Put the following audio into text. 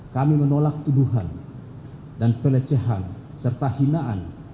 kami menolak tuduhan dan pelecehan serta hinaan